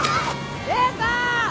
礼さん！